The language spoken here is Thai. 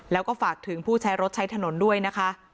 แล้วก็ฝากถึงผู้ใช้รถใช้ถนนด้วยนะคะ